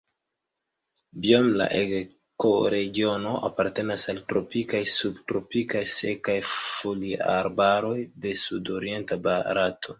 Biome la ekoregiono apartenas al tropikaj kaj subtropikaj sekaj foliarbaroj de sudorienta Barato.